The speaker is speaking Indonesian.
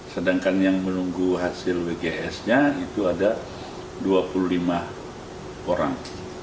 sedangkan yang menunggu hasil wgs nya itu ada dua puluh lima orang